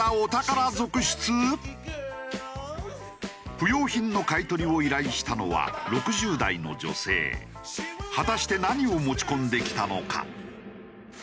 不要品の買い取りを依頼したのは果たして何を持ち込んできたのか？